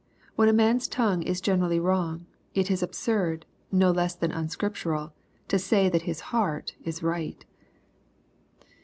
When a man's tongue is generally wrong, it is absurd, no less than unscriptural, to say that his heart is right.